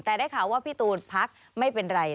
แต่ได้ข่าวว่าพี่ตูนพักไม่เป็นไร